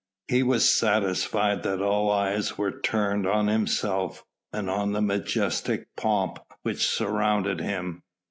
He was satisfied that all eyes were turned on himself and on the majestic pomp which surrounded him.